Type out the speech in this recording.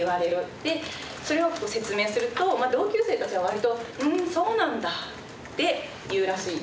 でそれを説明すると同級生たちは割と「ふんそうなんだ」って言うらしいんですね。